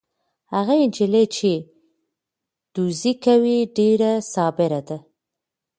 هغه نجلۍ چې دوزي کوي ډېره صابره ده.